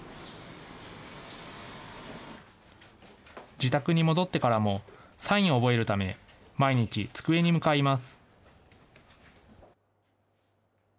自宅に戻ってからも、サインを覚えるため、毎日、机に向かいます。